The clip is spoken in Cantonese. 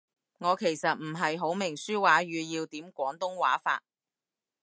我其實唔係好明書面語要點廣東話法